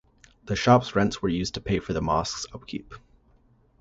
The shops rents were used to pay for the mosque's upkeep.